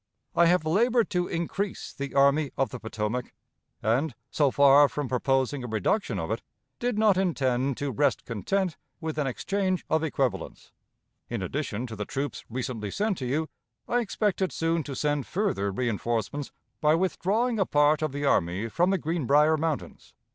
I have labored to increase the Army of the Potomac, and, so far from proposing a reduction of it, did not intend to rest content with an exchange of equivalents. In addition to the troops recently sent to you, I expected soon to send further reënforcements by withdrawing a part of the army from the Greenbrier Mountains.